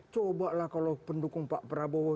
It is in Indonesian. cobalah kalau pendukung pak prabowo